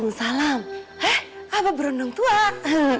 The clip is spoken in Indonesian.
masalah borum jauhan